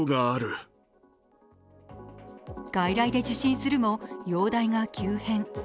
外来で受診するも容体が急変。